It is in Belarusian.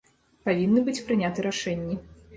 Павінны быць прыняты рашэнні.